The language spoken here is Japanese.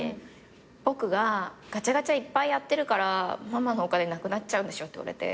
「僕がガチャガチャいっぱいやってるからママのお金なくなっちゃうんでしょ」って言われて。